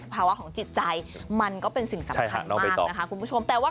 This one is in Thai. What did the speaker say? ภาวะของจิตใจมันก็เป็นสิ่งสำคัญมากนะคะคุณผู้ชมแต่ว่า